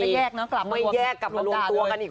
ไม่แยกกลับมาลวงตัวกันอีก